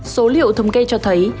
số liệu thống kê cho thấy